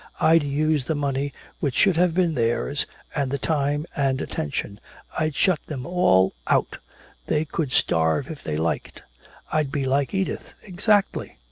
I'd use the money which should have been theirs, and the time and the attention! I'd shut them all out, they could starve if they liked! I'd be like Edith exactly!